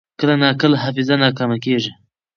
کله ناکله حافظه ناکامه کېږي.